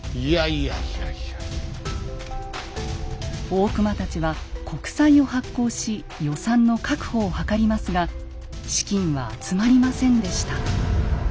大隈たちは国債を発行し予算の確保を図りますが資金は集まりませんでした。